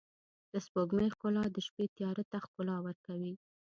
د سپوږمۍ ښکلا د شپې تیاره ته ښکلا ورکوي.